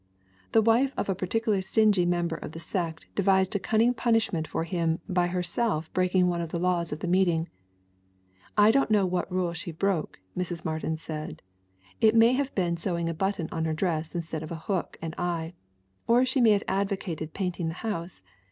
The wife of a particularly stingy member of the sect devised a cunning punishment for him by herself breaking one of the laws of the meeting. "I don't know what rule she broke," Mrs. Martin said. "It may have been sewing a button on her dress instead of a hook and eye, or she may have advocated painting the house.